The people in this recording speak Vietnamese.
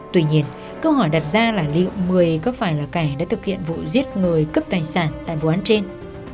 tuy nhiên câu hỏi đặt ra là liệu mười có phải là kẻ đã thực hiện vụ giết người cướp tài sản tại vụ án trên